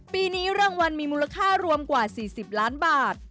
ปีนี้รางวัลมีมูลค่ารวมกว่า๔๐ล้านบาท